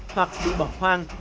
hoặc bị bỏ hoang